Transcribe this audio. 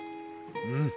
うん。